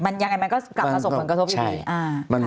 ยังไงมันก็กลับประสบผลกระทบอีก